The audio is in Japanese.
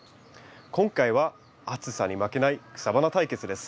今回は暑さに負けない草花対決です。